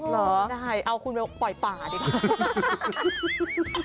เหรอได้เอาคุณไปปล่อยป่าดีกว่า